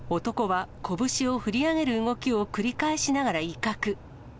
男は拳を振り上げる動きを繰り返しながら、威嚇。